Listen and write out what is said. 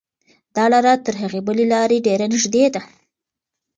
دا لاره تر هغې بلې لارې ډېره نږدې ده.